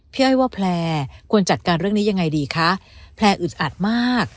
อ้อยว่าแพลร์ควรจัดการเรื่องนี้ยังไงดีคะแพลร์อึดอัดมาก